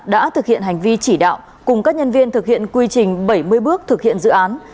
đã thực hiện hành vi chỉ đạo cùng các nhân viên thực hiện quy trình bảy mươi bước thực hiện dự án